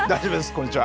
こんにちは。